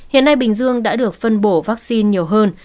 hiện nay bình dương đã được phân bổ vaccine nhiều hơn